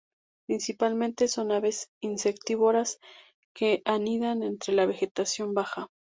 Principalmente son aves insectívoras que anidan entre la vegetación baja.